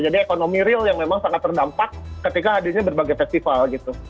jadi ekonomi real yang memang sangat terdampak ketika hadirnya berbagai festival gitu